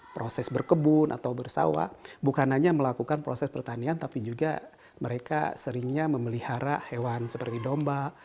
proses berkebun atau bersawa bukan hanya melakukan proses pertanian tapi juga mereka seringnya memelihara hewan seperti domba